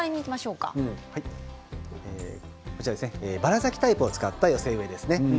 バラ咲きタイプを使った寄せ植えです。